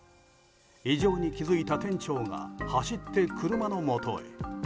異常に気付いた店長が走って車のもとへ。